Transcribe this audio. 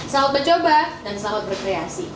selamat mencoba dan selamat berkreasi